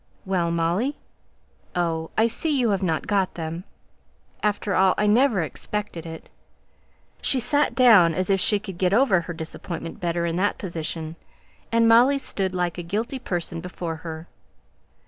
"Well, Molly? Oh! I see you haven't got them. After all, I never expected it." She sate down, as if she could get over her disappointment better in that position, and Molly stood like a guilty person before her.